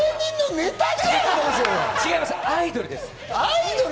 アイドルです。